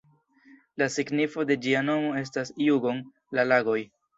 La signifo de ĝia nomo estas "Jugon"-la-lagoj.